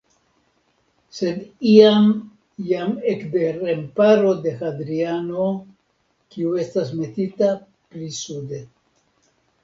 Sed iam jam ekde remparo de Hadriano, kiu estas metita pli sude.